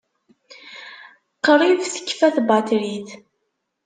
Qrib tekfa tbaṭrit.